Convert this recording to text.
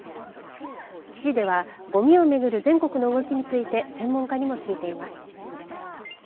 記事では、ごみを巡る全国の動きについて専門家にも聞いています。